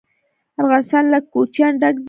افغانستان له کوچیان ډک دی.